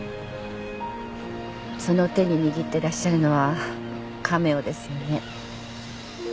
その手に握ってらっしゃるのはカメオですよね。